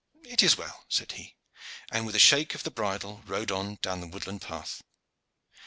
"It is well," said he, and with a shake of the bridle rode on down the woodland path.